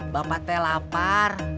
bapak teh lapar